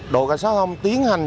đội cảnh sát thông tiến hành